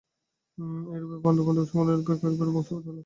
এইরূপে পাণ্ডবগণ সম্পূর্ণরূপে কৌরবগণের বশীভূত হইলেন।